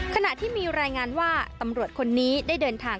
ขณะที่มีรายงานว่าตำรวจคนนี้ได้เดินทาง